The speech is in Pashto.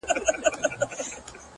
اوس هيڅ خبري مه كوی يارانو ليـونيانـو،